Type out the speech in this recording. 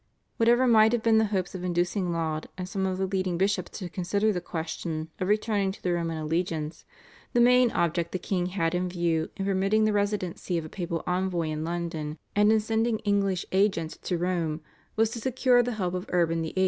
Whatever might have been the hopes of inducing Laud and some of the leading bishops to consider the question of returning to the Roman allegiance, the main object the king had in view in permitting the residence of a papal envoy in London and in sending English agents to Rome was to secure the help of Urban VIII.